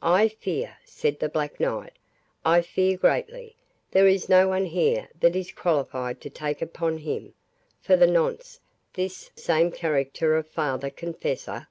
"I fear," said the Black Knight, "I fear greatly, there is no one here that is qualified to take upon him, for the nonce, this same character of father confessor?"